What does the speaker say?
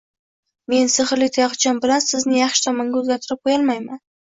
men sehrli tayoqcham bilan sizni yaxshi tomonga o’zgartirib qo’yolmayman